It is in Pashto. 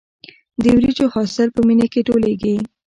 د وریجو حاصل په مني کې ټولېږي.